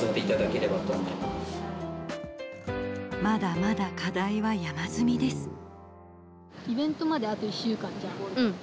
まだまだ課題は山積みです。